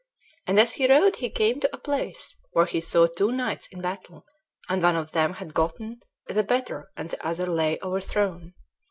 And as he rode he came to a place where he saw two knights in battle, and one of them had gotten the better and the other lay overthrown.